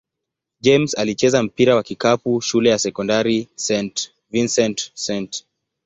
James alicheza mpira wa kikapu shule ya sekondari St. Vincent-St.